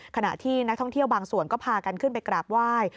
ขณะที่นักท่องเที่ยวบางส่วนก็พากันขึ้นไปกราบไหว้